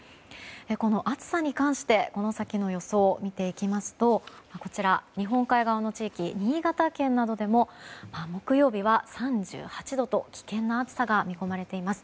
この暑さに関してこの先の予想を見ていきますと日本海側の地域新潟県などでも木曜日は３８度と危険な暑さが見込まれています。